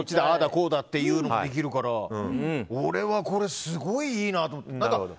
こうだっていうのもできるから俺はこれ、すごいいいなと。